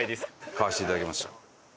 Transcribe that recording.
買わしていただきました。